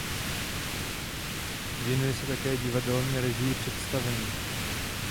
Věnuje se také divadelní režii představení.